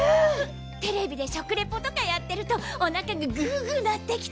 テレビで食レポとかやってるとお腹がグーグーなってきて。